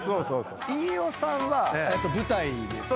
飯尾さんは舞台ですね。